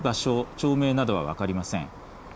町名などは分かりません。